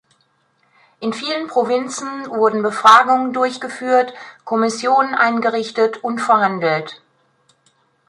In vielen Provinzen wurden Befragungen durchgeführt, Kommissionen eingerichtet und verhandelt.